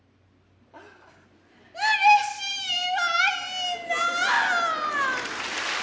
うれしいわいなァ。